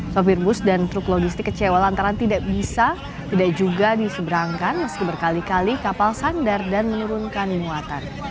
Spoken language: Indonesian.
sopir bus dan truk logistik kecewa lantaran tidak bisa tidak juga diseberangkan meski berkali kali kapal sandar dan menurunkan muatan